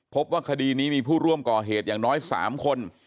พบว่าคดีนี้มีผู้ร่วมก่อเหตุอย่างน้อย๓คน